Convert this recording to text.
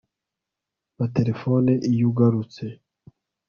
Mpa terefone iyo ugarutse